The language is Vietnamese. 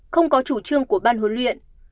không có chủ trương của ban huấn luyện